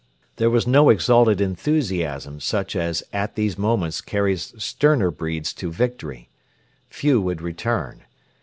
There was no exalted enthusiasm such as at these moments carries sterner breeds to victory. Few would return.